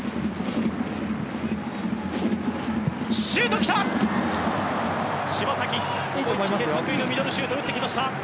シュートきた！